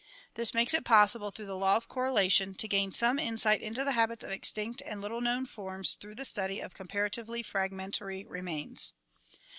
This makes it possible through the law of correlation to gain some insight into the habits of extinct and little known forms through the study of comparatively fragmentary remains.